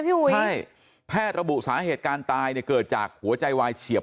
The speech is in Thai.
อุ๋ยใช่แพทย์ระบุสาเหตุการตายเนี่ยเกิดจากหัวใจวายเฉียบ